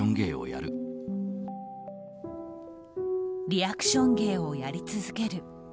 リアクション芸をやり続ける。